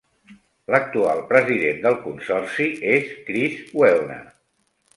L'actual president del consorci és Chris Welna.